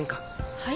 はい？